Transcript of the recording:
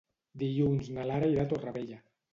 Dilluns na Lara irà a Torrevella.